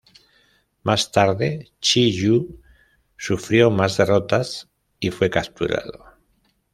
Más tarde, Chi You sufrió más derrotas y fue capturado.